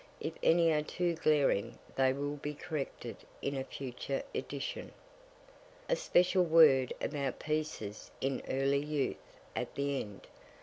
If any are too glaring they will be corrected in a future edition. A special word about PIECES IN EARLY YOUTH at the end.